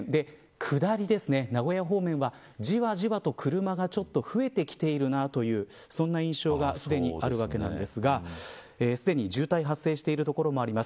下り、名古屋方面は、じわじわと車がちょっと増えてきているなというそんな印象がすでにあるわけなんですがすでに渋滞が発生してる所もあります。